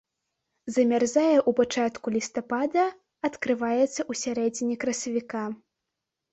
Замярзае ў пачатку лістапада, адкрываецца ў сярэдзіне красавіка.